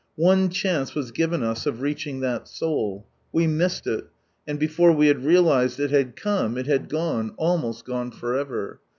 One chance was given us of reaching that soul, we missed il, and before we had realized it had come, it had gone, almost gone for ever.